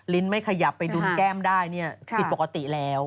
ไม่ขยับไปดุลแก้มได้เนี่ยผิดปกติแล้ว